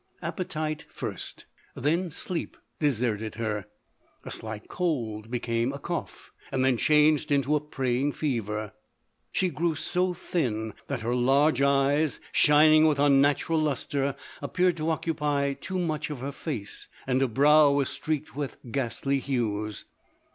Appetite first, then sleep, deserted her. A slight cold became a cough, and then changed into a preying fever. She grew so thin that her large eves, shining with unnatural lustre, appeared to occupy too much of her face, and her brow was streaked with ghastly hues.